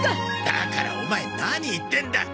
だからオマエ何言ってんだ！